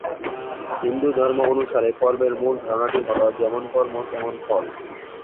হিন্দুধর্ম অনুসারে কর্মের মূল ধারণাটি হল "যেমন কর্ম, তেমন ফল"।